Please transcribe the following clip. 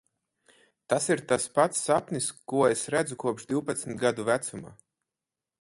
Tas ir tas pats sapnis, ko es redzu kopš divpadsmit gadu vecuma.